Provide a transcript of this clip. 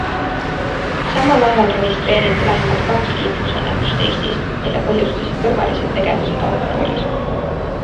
Samal ajal registreeriti vähemalt kaks liiklusõnnetust Eestis, mille põhjustasid kõrvalised tegevused autoroolis.